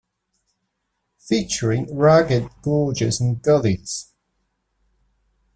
Featuring rugged gorges and gullies.